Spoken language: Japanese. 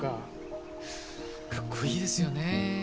かっこいいですよね。